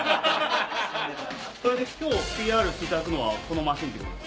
それで今日ＰＲしていただくのはこのマシンってことで。